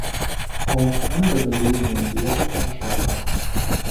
Auch andere Lösungen wären vorstellbar.